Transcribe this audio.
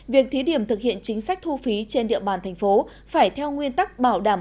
việc thí điểm thực hiện chính sách thu phí trên địa bàn thành phố phải theo nguyên tắc bảo đảm